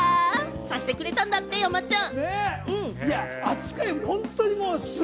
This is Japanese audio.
さしてくれたんだって、山ちゃん！